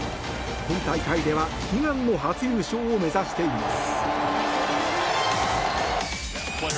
今大会では悲願の初優勝を目指しています。